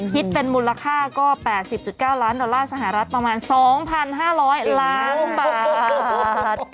คิดเป็นมูลค่าก็๘๐๙ล้านดอลลาร์สหรัฐประมาณ๒๕๐๐ล้านบาท